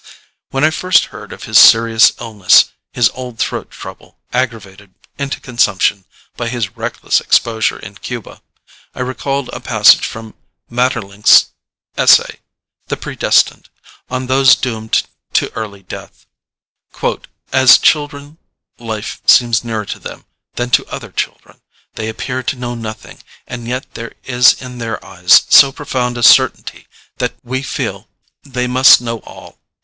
When I first heard of his serious illness, his old throat trouble aggravated into consumption by his reckless exposure in Cuba, I recalled a passage from Maeterlinck's essay, "The Pre Destined," on those doomed to early death: "As children, life seems nearer to them than to other children. They appear to know nothing, and yet there is in their eyes so profound a certainty that we feel they must know all.